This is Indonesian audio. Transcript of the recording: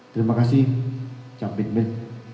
terima kasih jump it mill